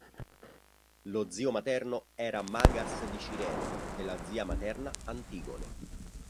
Lo zio materno era Magas di Cirene, e la zia materna Antigone.